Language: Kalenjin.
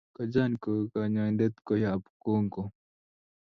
Kojan ko kanyaindet koyab Congo